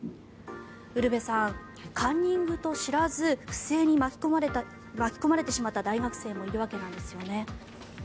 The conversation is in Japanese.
ウルヴェさんカンニングと知らず不正に巻き込まれてしまった大学生もいるわけなんですよね。